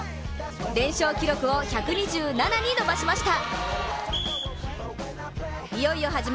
連勝記録を１２７に伸ばしました。